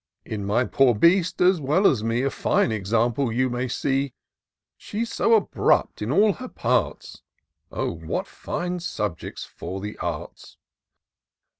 In my poor beast, as weU as me, A fine example you may see ; She's so abrupt in all her parts — Oh, what fine subjects for the arts